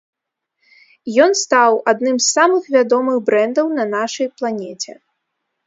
Ён стаў адным з самых вядомых брэндаў на нашай планеце.